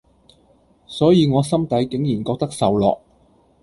所以我心底竟然覺得受落